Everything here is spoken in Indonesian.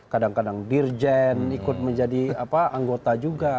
kadang kadang dirjen ikut menjadi anggota juga